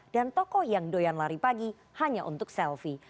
dan tokoh yang doyan lari pagi hanya untuk selfie